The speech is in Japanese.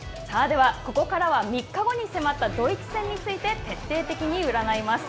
では、ここからは３日後に迫ったドイツ戦について徹底的に占います。